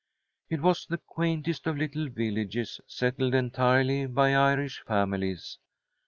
It was the quaintest of little villages, settled entirely by Irish families.